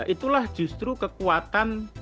itulah justru kekuatan